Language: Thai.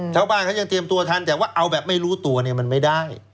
ชาวบ้านเขายังเตรียมตัวทันแต่ว่าเอาแบบไม่รู้ตัวเนี่ยมันไม่ได้